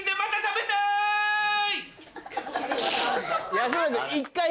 安村君。